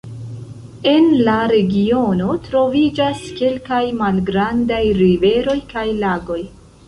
En la regiono troviĝas kelkaj malgrandaj riveroj kaj lagoj.